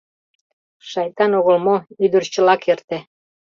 Шайтан огыл мо, ӱдыр чыла керте!